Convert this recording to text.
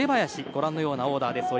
ご覧のようなオーダーです。